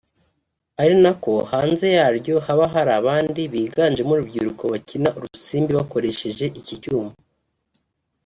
ari na ko hanze yaryo haba hari abandi biganjemo urubyiruko bakina urusimbi bakoresheje iki cyuma